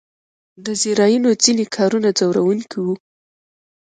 د زایرینو ځینې کارونه ځوروونکي وو.